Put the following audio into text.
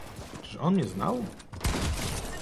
"Czyż on mię znał?"